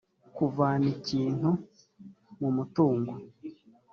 kuvana ikintu mu mutungo